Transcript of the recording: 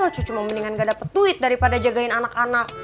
cucu mendingan gak dapat duit daripada jagain anak anak